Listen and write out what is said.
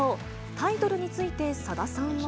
タイトルについて、さださんは。